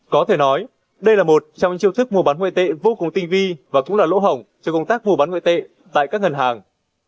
có thể nói đây là một trong những chiêu thức mua bán ngoại tệ vô cùng tinh vi và cũng là lỗ hổng cho công tác mua bán ngoại tệ tại các ngân hàng